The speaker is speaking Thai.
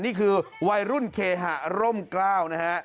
นี่คือวัยรุ่นเคหะร่มกล้าวนะฮะ